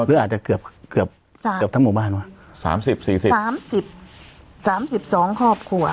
หรืออาจจะเกือบเกือบเกือบทั้งหมู่บ้านวะสามสิบสี่สิบสามสิบสามสิบสองครอบครัว